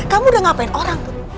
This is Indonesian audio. kamu udah ngapain orang tuh